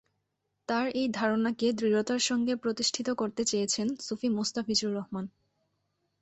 তার এই ধারণাকে দৃঢ়তার সঙ্গে প্রতিষ্ঠিত করতে চেয়েছেন সুফি মোস্তাফিজুর রহমান।